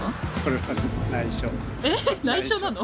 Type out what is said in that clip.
えっ？内緒なの？